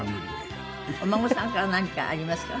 お孫さんから何かありますか？